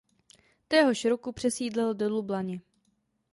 Téhož roku přesídlil do Lublaně.